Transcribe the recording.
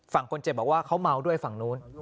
ฝั่งคนเจ็บบอกว่าเขาเมาด้วยฝั่งนู้น